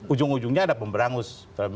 ujung ujungnya ada pemberangus